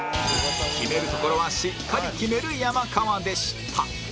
決めるところはしっかり決める山川でした